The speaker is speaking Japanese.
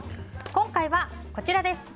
今回はこちらです。